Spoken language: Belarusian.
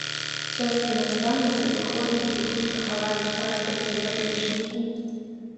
Сёстры-настаўніцы выходзяць і хутка хаваюць пашпарты ў заплечнікі.